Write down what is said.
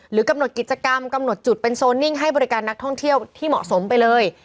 กำหนดกิจกรรมกำหนดจุดเป็นโซนิ่งให้บริการนักท่องเที่ยวที่เหมาะสมไปเลย